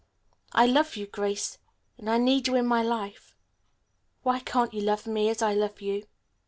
I love you, Grace, and I need you in my life. Why can't you love me as I love you?"